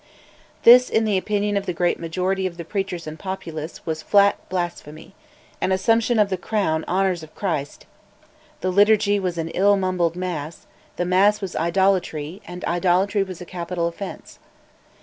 This, in the opinion of the great majority of the preachers and populace, was flat blasphemy, an assumption of "the Crown Honours of Christ." The Liturgy was "an ill mumbled Mass," the Mass was idolatry, and idolatry was a capital offence.